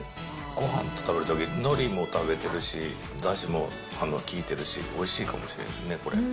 ごはんと食べたときに、のりも食べてるし、だしも効いてるし、おいしいかもしれんですね、これ。